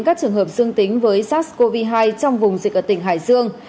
các trường hợp dương tính với sars cov hai trong vùng dịch ở tỉnh hải dương